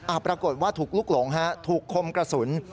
ปรากฏว่าถูกลุกหลงฮะถูกคมกระสุน